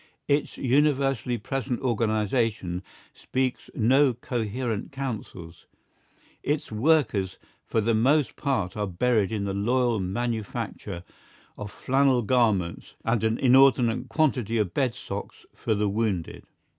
Its universally present organisation speaks no coherent counsels. Its workers for the most part are buried in the loyal manufacture of flannel garments and an inordinate quantity of bed socks for the wounded.